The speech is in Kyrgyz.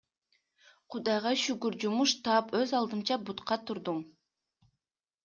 Кудайга шүгүр, жумуш таап, өз алдымча бутка турдум.